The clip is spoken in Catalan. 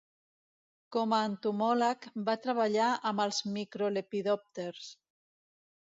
Com a entomòleg, va treballar amb els microlepidòpters.